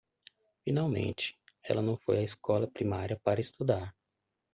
Finalmente, ela não foi à escola primária para estudar.